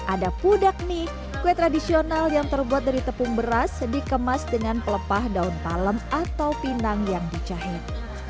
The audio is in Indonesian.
ada pudak mie kue tradisional yang terbuat dari tepung beras dikemas dengan pelepah daun palem atau pinang yang dicahit